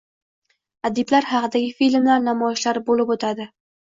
Adiblar haqidagi filmlar namoyishlari boʻlib oʻtadi.